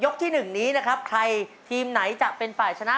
ที่๑นี้นะครับใครทีมไหนจะเป็นฝ่ายชนะ